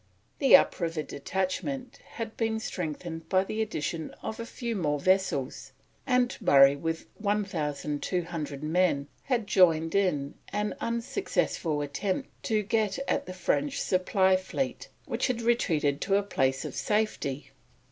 The up river detachment had been strengthened by the addition of a few more vessels, and Murray with 1200 men had joined in an unsuccessful attempt to get at the French supply fleet which had retreated to a place of safety.